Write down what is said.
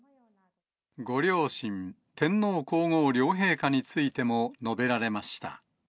ご両親、天皇皇后両陛下についても述べられました。